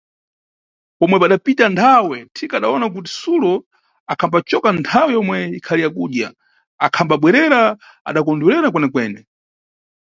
Pomwe padapita nthawe, thika adawona kuti sulo akhambacoka nthawe yomwe ikhali ya kudya, akhambabwerera adakondererwa kwenekwene.